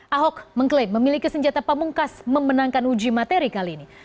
ahok mengklaim memiliki senjata pamungkas memenangkan uji materi kali ini